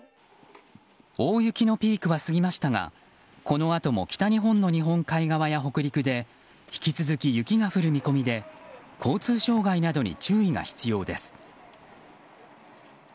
大雪のピークは過ぎましたがこのあとも北日本の日本海側や北陸で、引き続き雪が降る見込みで交通障害などに注意が必要です。